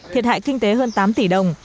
thiệt hại kinh tế hơn tám tỷ đồng